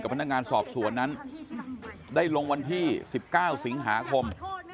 พนักงานสอบสวนนั้นได้ลงวันที่๑๙สิงหาคม